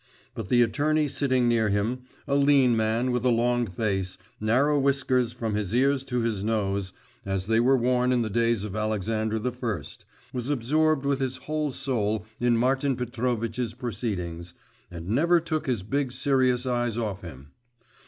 But the attorney sitting near him, a lean man with a long face, narrow whiskers from his ears to his nose, as they were worn in the days of Alexander the First, was absorbed with his whole soul in Martin Petrovitch's proceedings, and never took his big serious eyes off him.